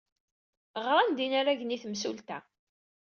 Ɣran-d yinaragen i temsulta.